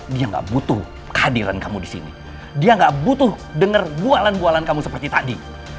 dia nggak butuh kehadiran kamu di sini dia nggak butuh denger bualan bualan kamu seperti tadi